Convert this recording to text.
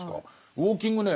ウォーキングね